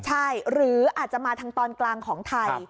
ใช่หรืออาจจะมาทางตอนกลางของไทย